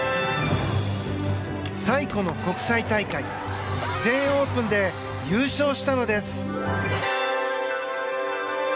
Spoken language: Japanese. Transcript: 最古の国際大会全英オープンで優勝したのです。